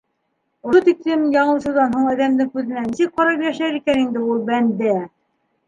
Ошо тиклем яңылышыуҙан һуң әҙәмдең күҙенә нисек ҡарап йәшәр икән инде ул бәндә?!